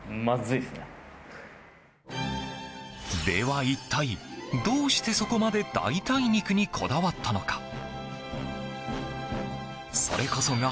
では一体、どうしてそこまで代替肉にこだわったのか？